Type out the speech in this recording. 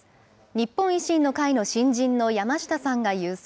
日本維新の会の新人の山下さんが優勢。